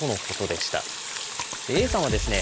Ａさんはですね